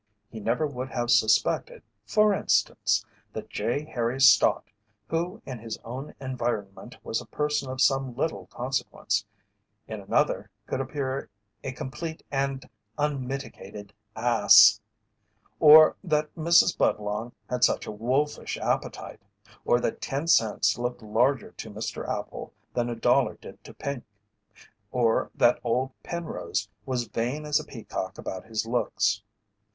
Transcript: He never would have suspected, for instance, that J. Harry Stott, who in his own environment was a person of some little consequence, in another could appear a complete and unmitigated ass. Or that Mrs. Budlong had such a wolfish appetite, or that ten cents looked larger to Mr. Appel than a dollar did to Pink, or that Old Penrose was vain as a peacock about his looks.